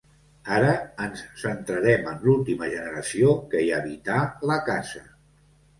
Ara ens centrarem en l’última generació que hi habità la casa.